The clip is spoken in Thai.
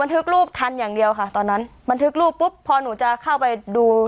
ทึกรูปทันอย่างเดียวค่ะตอนนั้นบันทึกรูปปุ๊บพอหนูจะเข้าไปดู